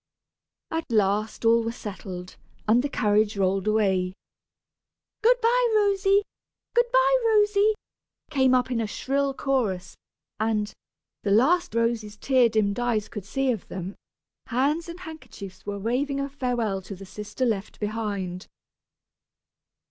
At last all were settled, and the carriage rolled away. "Good by, Rosy," "Good by, Rosy!" came up in a shrill chorus; and, the last Rosy's tear dimmed eyes could see of them, hands and handkerchiefs were waving a farewell to the sister left behind.